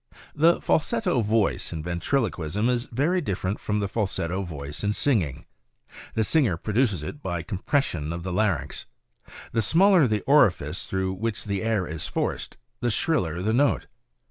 The falsetto voice in Ventriloquism is very different from the falsetto voice in singing. The singer produces it by compression of the larymx. The smaller the orifice through which the air is AND TOCAL ILLUSIONS. 29 forced the shriller the note.